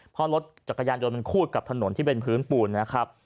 เพราะรถจักรยานยนต์มันคูดกับถนนที่เป็นพื้นปูนนะครับ